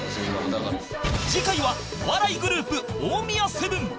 次回はお笑いグループ大宮セブン